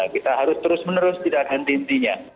kita harus terus menerus tidak ada henti hentinya